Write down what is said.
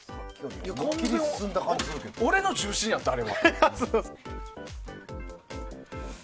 俺の重心やった、あれは。